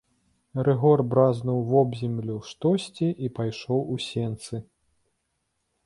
Рыгор бразнуў вобземлю штосьці і пайшоў у сенцы.